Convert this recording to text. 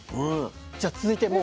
じゃあ続いてもう。